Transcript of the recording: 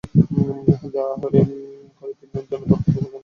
যা আহার করে তিনি তার জন্যে বরকত ও কল্যাণের দুআ করবেন।